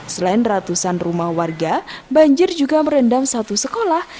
selain ratusan rumah warga banjir juga merendam satu sekolah